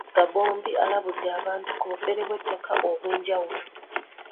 Gambobbi alabudde abantu ku bufere bw'ettaka obw'enjawulo.